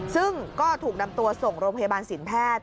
ซึ่งก็ถูกนำตัวส่งโรงพยาบาลสินแพทย์